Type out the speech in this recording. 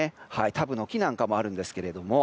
タブノキなんかもあるんですけれども。